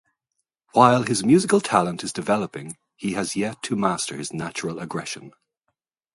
While his musical talent is developing, he has yet to master his natural aggression.